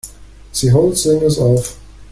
The whole thing is off.